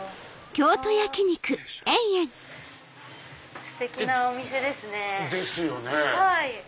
ステキなお店ですね。ですよね。